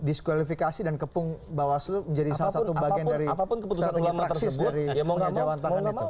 diskualifikasi dan kepung bawaslu menjadi salah satu bagian dari strategi praksis dari pengacauan tangan itu